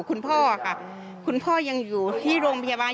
คุณพ่อค่ะคุณพ่อยังอยู่ที่โรงพยาบาล